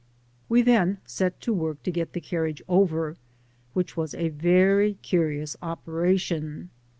We then set to w<M*k to get the carriage over, whldi was a yery curious op^ation.